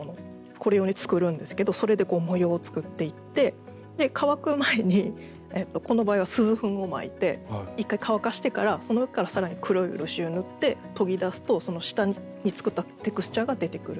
これ用に作るんですけどそれでこう模様を作っていってで乾く前にこの場合は錫粉をまいて１回乾かしてからその上から更に黒い漆を塗って研ぎ出すとその下に作ったテクスチャーが出てくる。